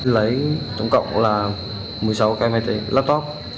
lấy tổng cộng là một mươi sáu k m hai laptop